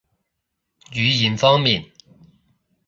語言方面